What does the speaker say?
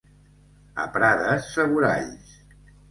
A Prades, saboralls.